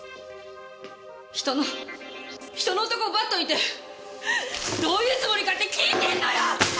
人の人の男を奪っといてどういうつもりかって聞いてんのよ！